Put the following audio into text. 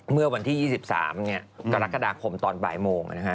เมื่อวันที่๒๓นี้กรกฎาคมตอนปลายโมงนะคะ